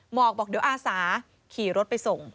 หมอกบอกเดี๋ยวอาสาขี่รถไปส่ง